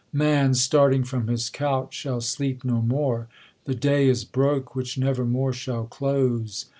Man, starting from his couch, shall sleep no more ! The day is broke which never more shall close!